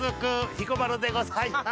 彦摩呂でございます。